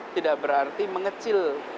tidak berarti mengecil